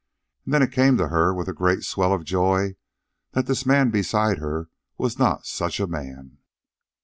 And then it came to her with a great swell of joy that this man beside her was not such a man.